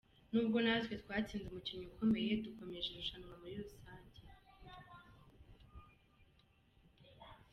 N’ubwo natwe twatsinze umukino ukomeye, dukomeje irushanwa muri rusange”.